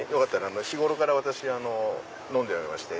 日頃から私飲んでおりまして。